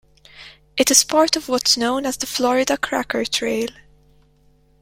It is part of what's known as the Florida Cracker Trail.